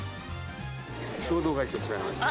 衝動買いしてしまいました。